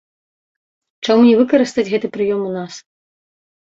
Чаму не выкарыстаць гэты прыём у нас?